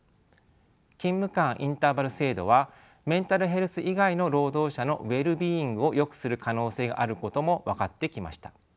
勤務間インターバル制度はメンタルヘルス以外の労働者のウェルビーイングをよくする可能性があることも分かってきました。